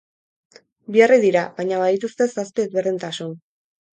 Bi herri dira, baina badituzte zazpi ezberdintasun.